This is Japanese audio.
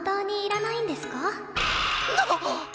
なっ！